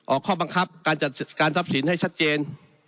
ออกข้อบังคับการทรัพย์สินให้ชัดเจน